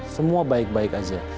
semua baik baik aja